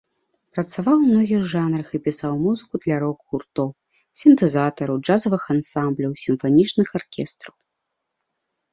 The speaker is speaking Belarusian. Працаваў у многіх жанрах і пісаў музыку для рок-гуртоў, сінтэзатараў, джазавых ансамбляў, сімфанічных аркестраў.